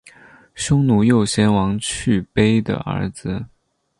匈奴右贤王去卑的儿子。